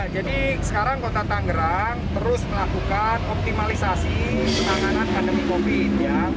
jadi sekarang kota tangerang terus melakukan optimalisasi penanganan pandemi covid sembilan belas